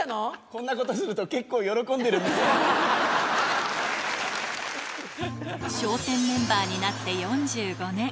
こんなことすると結構喜んで笑点メンバーになって４５年。